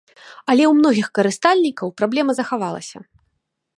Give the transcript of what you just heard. Але ў многіх карыстальнікаў праблема захавалася.